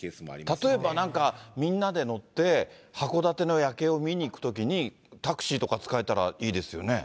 例えばなんか、みんなで乗って、函館の夜景を見に行くときに、タクシーとか使えたらいいですよね。